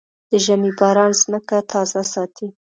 د ژمي باران ځمکه تازه ساتي.